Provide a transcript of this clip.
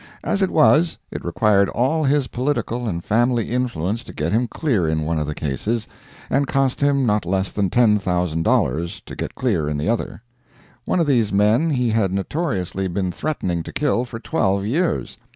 As it was, it required all his political and family influence to get him clear in one of the cases, and cost him not less than ten thousand dollars to get clear in the other. One of these men he had notoriously been threatening to kill for twelve years.